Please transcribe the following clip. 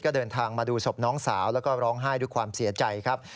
ก็เดินทางมาดูศพน้องสาวแล้วก็ร้องไห้ด้วยความเสียใจครับ